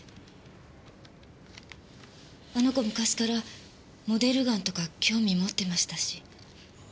あの子昔からモデルガンとか興味持ってましたし。